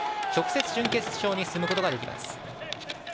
直接、準決勝に進むことができます。